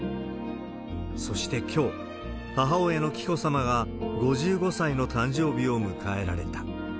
そしてきょう、母親の紀子さまが５５歳の誕生日を迎えられた。